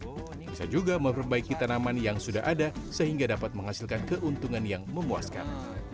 bisa juga memperbaiki tanaman yang sudah ada sehingga dapat menghasilkan keuntungan yang memuaskan